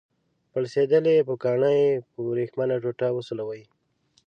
پړسیدلې پوکڼۍ په وریښمینه ټوټه وسولوئ.